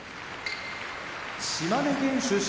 島根県出身